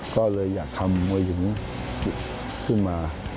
ก็เลยอยากทำมวยหญิงขึ้นมา